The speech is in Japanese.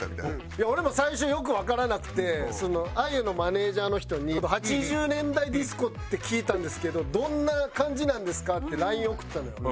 いや俺も最初よくわからなくてａｙｕのマネジャーの人に「８０年代ディスコって聞いたんですけどどんな感じなんですか？」ってＬＩＮＥ送ったのよ。